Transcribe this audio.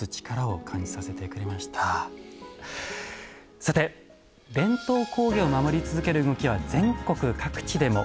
さて伝統工芸を守り続ける動きは全国各地でも。